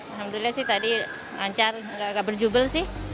alhamdulillah sih tadi lancar nggak berjubel sih